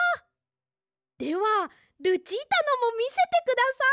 ではルチータのもみせてください。